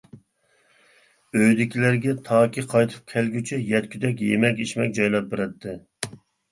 ئۆيىدىكىلەرگە تاكى قايتىپ كەلگۈچە يەتكۈدەك يېمەك-ئىچمەك جايلاپ بېرەتتى.